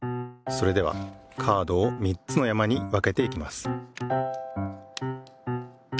それではカードを３つの山に分けていきます。